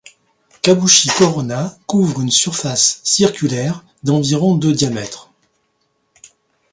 Khabuchi Corona couvre une surface circulaire d'environ de diamètre.